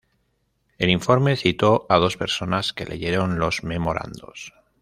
El informe citó a dos personas que leyeron los memorandos.